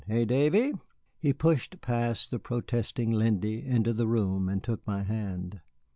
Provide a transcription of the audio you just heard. Eh, Davy?" He pushed past the protesting Lindy into the room and took my hand.